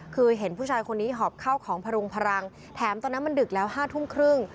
คือเห็นผู้ชายคนนี้หอบข้าวของพรุงพลังแถมตอนนั้นมันดึกแล้ว๕ทุ่มครึ่ง